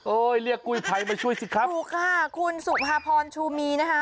โอ้ยเรียกกุยไผ่มาช่วยสิครับดูค่ะคุณสุภาพรชูมีนะฮะ